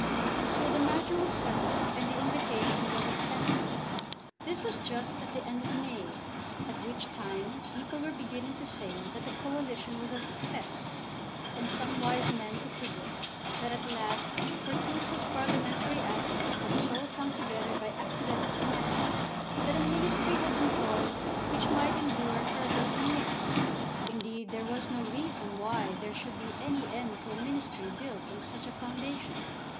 So the matter was settled, and the invitation was accepted. This was just at the end of May, at which time people were beginning to say that the coalition was a success, and some wise men to predict that at last fortuitous parliamentary atoms had so come together by accidental connexion, that a ministry had been formed which might endure for a dozen years. Indeed there was no reason why there should be any end to a ministry built on such a foundation.